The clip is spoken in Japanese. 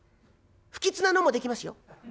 不吉なのもできますよ。